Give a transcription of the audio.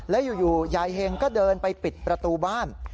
แล้วอยู่ยายเฮงก็เดินไปปิดประตูบ้าน